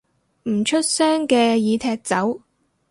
唔出聲嘅已踢走